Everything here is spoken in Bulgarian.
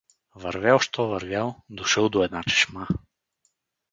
Вървял що вървял, дошъл до една чешма.